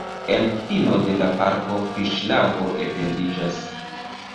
En fino de la parko fiŝlago etendiĝas.